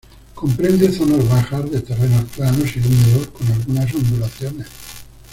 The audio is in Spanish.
Comprende zonas bajas, de terrenos planos y húmedos con algunas ondulaciones.